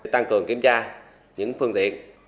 tăng cường kiểm tra những phương tiện